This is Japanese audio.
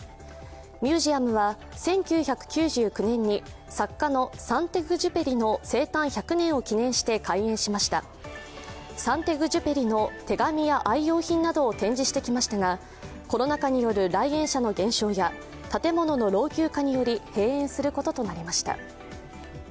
ミュージアムは１９９９年に作家のサン＝テグジュペリの生誕１００年を記念して開園しましたサン＝テグジュペリの手紙や愛用品などを展示してきましたがコロナ禍による来園者の減少や建物の老朽化により閉園することとなりました。